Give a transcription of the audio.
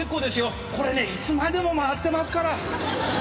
これねいつまでも回ってますから。